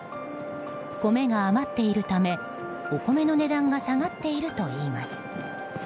米が余っているためお米の値段が下がっているといいます。